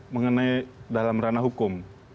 mengenai dalam ranah hukum